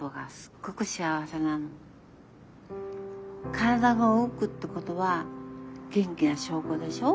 体が動くってことは元気な証拠でしょ。